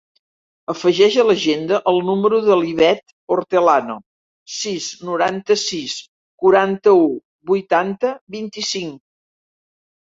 Afegeix a l'agenda el número de l'Ivette Hortelano: sis, noranta-sis, quaranta-u, vuitanta, vint-i-cinc.